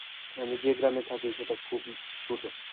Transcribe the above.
আমি যে গ্রামে থাকি সেটা খুব ছোটো।